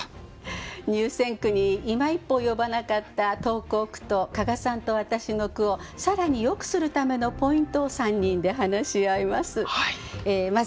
入選句にいま一歩及ばなかった投稿句と加賀さんと私の句を更によくするためのポイントを３人で話し合います。